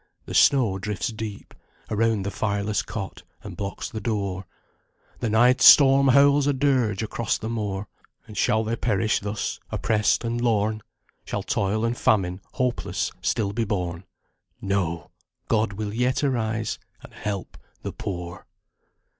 The snow drifts deep Around the fireless cot, and blocks the door; The night storm howls a dirge across the moor; And shall they perish thus oppressed and lorn? Shall toil and famine, hopeless, still be borne? No! God will yet arise, and help the poor.